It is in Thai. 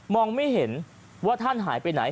ไม่เห็นว่าท่านหายไปไหน